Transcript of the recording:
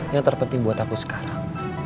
yang terpenting buat aku sekarang